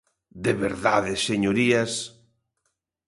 ¡De verdade, señorías!